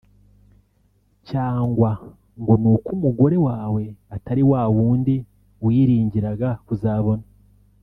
cyangwa ngo ni uko umugore wawe atari wa wundi wiringiraga kuzabona